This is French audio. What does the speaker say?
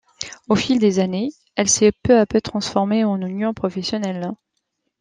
Au fil des années, elle s'est peu à peu transformée en union professionnelle.